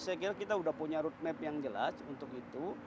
saya kira kita sudah punya roadmap yang jelas untuk itu